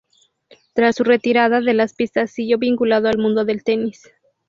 Tras su retirada de las pistas siguió vinculado al mundo del tenis.